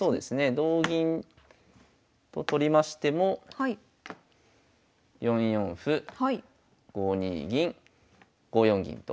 同銀と取りましても４四歩５二銀５四銀と。